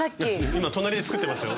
今隣で作ってましたよ。